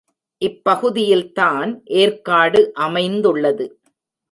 இப்பகுதியில்தான் ஏர்க்காடு அமைந்துள்ளது.